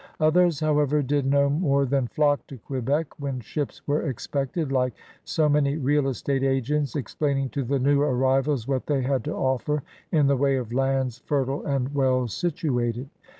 Others, however, did no more than flock to Quebec when ships were expected, like so many real estate agents explaining to the new arrivals what they had to offer in the way of lands fertile and well situated.